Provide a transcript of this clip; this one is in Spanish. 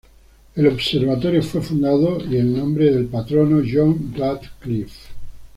El observatorio fue fundado y el nombre del patrono John Radcliffe.